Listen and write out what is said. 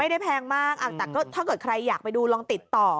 แพงมากแต่ก็ถ้าเกิดใครอยากไปดูลองติดต่อ